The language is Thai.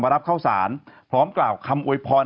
รับเข้าสารพร้อมกล่าวคำอวยพร